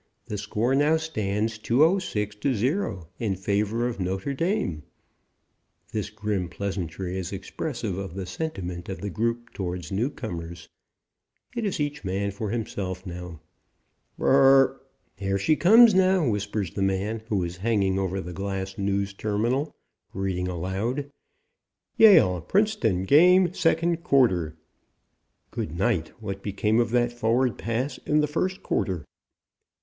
The score now stands 206 to 0 in favor of Notre Dame." This grim pleasantry is expressive of the sentiment of the group toward newcomers. It is each man for himself now. Br r r r r r r r r r r r r r r r r! "Here she comes, now!" whispers the man who is hanging over the glass news terminal, reading aloud: "Yale Princeton Game Second Quarter (Good night, what became of that forward pass in the first quarter?)